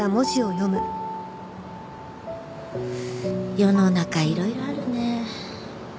世の中いろいろあるね。